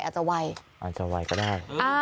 อาจจะวัยก็ได้